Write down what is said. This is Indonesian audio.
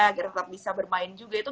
agar tetap bisa bermain juga itu